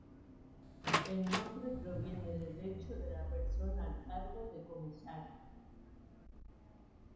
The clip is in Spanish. El nombre proviene del hecho de la persona al cargo de comisario.